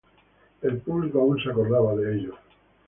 El público aún se acordaba de ellos.